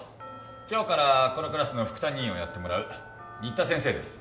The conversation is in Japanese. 今日からこのクラスの副担任をやってもらう新田先生です。